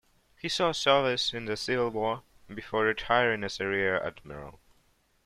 He saw service in the Civil War before retiring as a rear admiral.